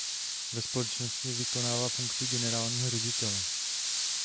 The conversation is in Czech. Ve společnosti vykonává funkci generálního ředitele.